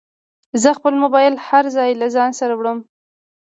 زه خپل موبایل هر ځای له ځانه سره وړم.